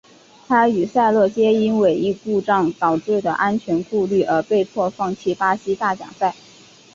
他与萨洛皆因尾翼故障导致的安全顾虑而被迫放弃巴西大奖赛。